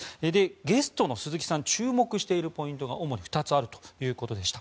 ゲストの鈴木さん注目しているポイントが主に２つあるということでした。